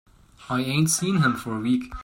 I ain't seen him for a week.